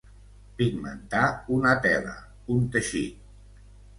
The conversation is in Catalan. Pigmentar una tela, un teixit.